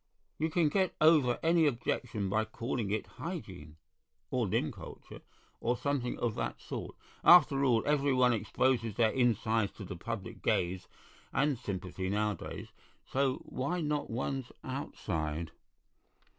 "You can get over any objection by calling it Hygiene, or limb culture, or something of that sort. After all, every one exposes their insides to the public gaze and sympathy nowadays, so why not one's outside?"